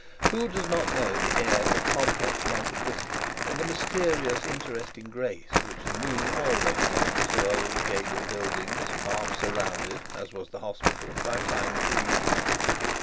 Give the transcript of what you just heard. Who does not know the air of complex multiplicity and the mysterious interesting grace which the moon always lends to old gabled buildings half surrounded, as was the hospital, by fine trees!